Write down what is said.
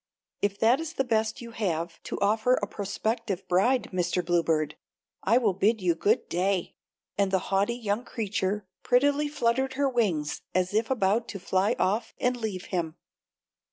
If that is the best you have to offer a prospective bride, Mr. Bluebird, I will bid you good day," and the haughty young creature prettily fluttered her wings as if about to fly off and leave him.